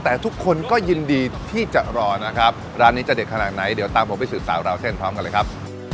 แต่ทุกคนก็ยินดีที่จะรอนะครับร้านนี้จะเด็ดขนาดไหนเดี๋ยวตามผมไปสืบสาวราวเส้นพร้อมกันเลยครับ